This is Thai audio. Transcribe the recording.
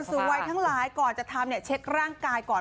สูงวัยทั้งหลายก่อนจะทำเช็คร่างกายก่อน